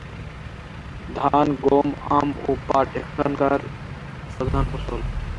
ধান, গম, আম ও পাট এখানকার প্রধান ফসল।